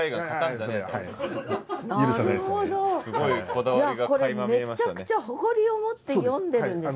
じゃあこれめっちゃくちゃ誇りを持って詠んでるんですね。